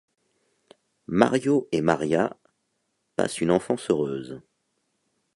Mario et Maria passent une enfance heureuse.